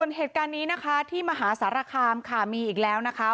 ส่วนเหตุการณ์นี้นะคะที่มหาสารคามค่ะมีอีกแล้วนะคะ